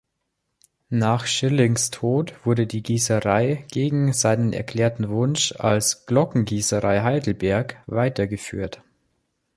Nach Schillings Tod wurde die Gießerei, gegen seinen erklärten Wunsch, als "Glockengießerei Heidelberg" weitergeführt.